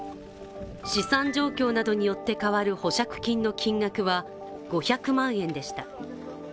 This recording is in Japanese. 資産状況などによって変わる保釈金の金額は５００万円でした。